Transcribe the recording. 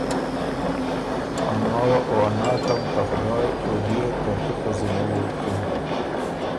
ا ماوه او ناکم ته خدایٛ او بيې ترتُو پۀ ذِمه ووتکِن“